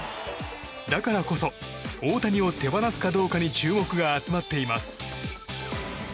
だからこそ大谷を手放すかどうかに注目が集まっています。